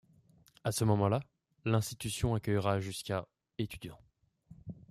À ce moment-là, l’institution accueillera jusqu’à étudiants.